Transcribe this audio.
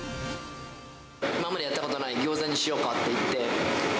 今までやったことないギョーザにしようかっていって。